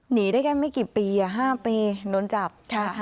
หนีได้แค่ไม่กี่ปี๕ปีโดนจับ